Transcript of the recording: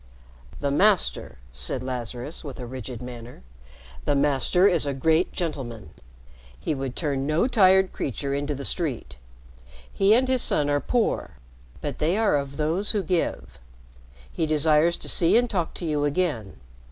"The Master," said Lazarus, with a rigid manner, "the Master is a great gentleman. He would turn no tired creature into the street. He and his son are poor, but they are of those who give. He desires to see and talk to you again.